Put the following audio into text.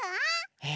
え？